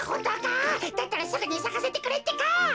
だったらすぐにさかせてくれってか。